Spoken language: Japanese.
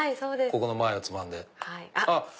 ここの前をつまんで。